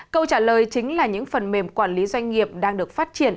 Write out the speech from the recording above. câu trả lời chính là những phần mềm quản lý doanh nghiệp đang được phát triển